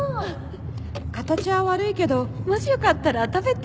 形は悪いけどもしよかったら食べて